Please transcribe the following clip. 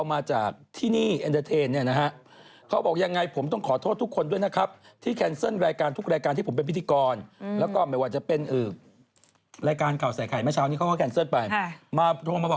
รักษาตัวเป็นที่บ้านเป็นที่เรียบร้อยแล้วหากไม่ดีขึ้นก็อาจจะเข้ารโรพยาบาล